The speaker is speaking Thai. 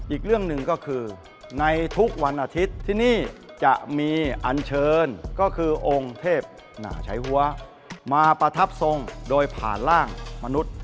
อีกเรื่องหนึ่งก็คือในทุกวันอาทิตย์ที่นี่จะมีอันเชิญก็คือองค์เทพหนาใช้หัวมาประทับทรงโดยผ่านร่างมนุษย์